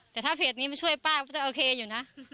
แต่ถ้าเพจนี้มาช่วยป้าก็จะโอเคอยู่นะ